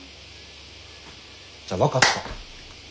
じゃあ分かった。